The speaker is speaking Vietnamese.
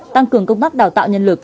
tăng cường công tác đào tạo nhân lực